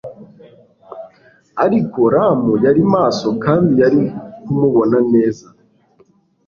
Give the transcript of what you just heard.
ariko rum yari maso kandi yari kumubona neza